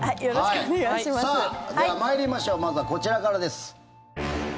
さあ、では参りましょうまずはこちらからです。